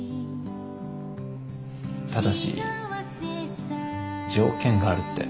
ただし条件があるって。